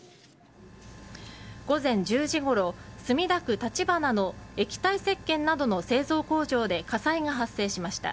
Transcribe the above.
午前１０時ごろ墨田区立花の液体せっけんなどの製造工場で火災が発生しました。